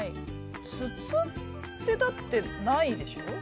筒って、だってないでしょ。